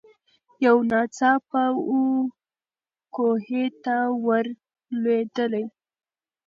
یو ناڅاپه وو کوهي ته ور لوېدلې